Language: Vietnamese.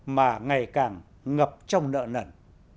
và ngày càng ngập trong nợ nẩn